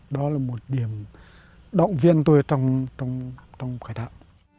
đó là một điểm động viên tôi trong khởi thảo